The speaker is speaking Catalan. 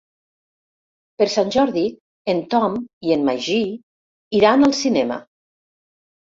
Per Sant Jordi en Tom i en Magí iran al cinema.